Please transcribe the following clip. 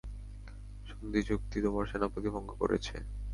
সন্ধিচুক্তি তোমার সেনাপতি ভঙ্গ করেছে।